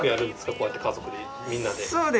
こうやって家族でみんなで。